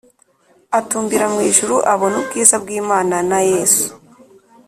atumbira mu ijuru abona ubwiza bw Imana na Yesu